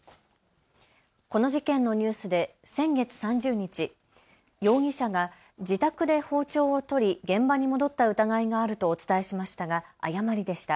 この事件のニュースで先月３０日、容疑者が自宅で包丁を取り現場に戻った疑いがあるとお伝えしましたが誤りでした。